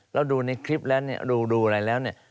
เราดูในคลิปแล้วเนี่ยดูอะไรแล้วเนี่ย